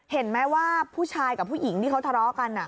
เห็นไหมว่าผู้ชายกับผู้หญิงที่เขาทะเลาะกัน